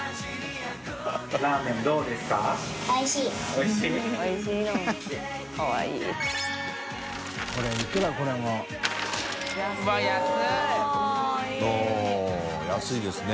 おっ安いですね。